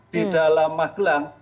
di dalam magelang